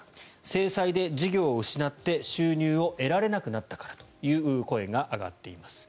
制裁で事業を失って収入を得られなくなったからという声が上がっています。